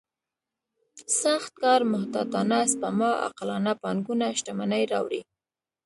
سخت کار محتاطانه سپما عاقلانه پانګونه شتمني راوړي.